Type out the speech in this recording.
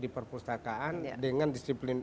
di perpustakaan dengan disiplin